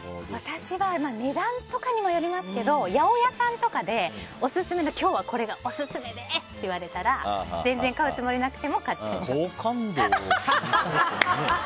私は値段とかにもよりますけど八百屋さんとかで今日はこれがオススメですと言われたら全然買うつもりなくても好感度。